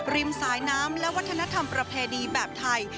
ริมสายน้ำและวัฒนธรรมประเพณีแบบไทย